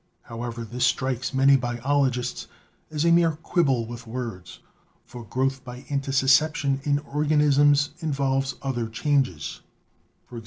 However, this strikes many biologists as a mere quibble with words, for growth by intussusception in organisms involves other changes — e.g.